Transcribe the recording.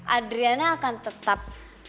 adriana akan tetap